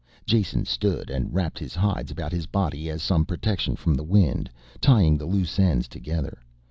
Jason stood and wrapped his hides about his body as some protection from the wind, tying the loose ends together.